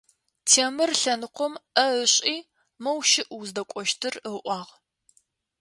Темыр лъэныкъом ӏэ ышӏи, - моу щыӏ уздэкӏощтыр, - ыӏуагъ.